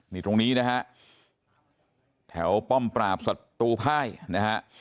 นี่ตรงนี้นะฮะแถวป้อมปราบศัตรูภายนะฮะ